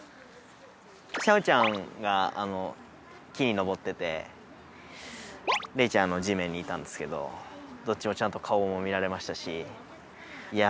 シャオちゃんが木に登っててレイちゃん地面にいたんですけどどっちもちゃんと顔も見られましたしいや